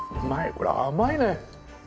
これ甘いね！